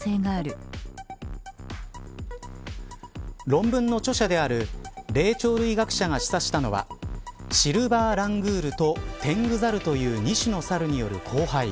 論文の著者である霊長類学者が示唆したのはシルバーラングールとテングザルという２種のサルによる交配。